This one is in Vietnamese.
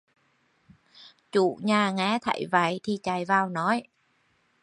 Chủ nhà nghe thấy vậy thì chạy vào nói